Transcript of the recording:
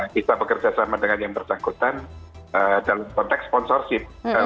kita bekerja sama dengan yang bersangkutan dalam konteks sponsorship